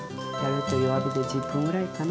弱火で１０分ぐらいかな。